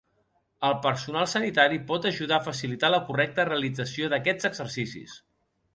El personal sanitari pot ajudar a facilitar la correcta realització d'aquests exercicis.